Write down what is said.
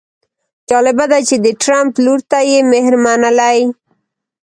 جالبه ده چې د ټرمپ لور ته یې مهر منلی.